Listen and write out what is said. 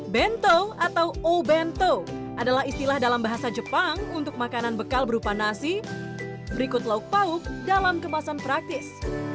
bento atau obento adalah istilah dalam bahasa jepang untuk makanan bekal berupa nasi berikut lauk pauk dalam kemasan praktis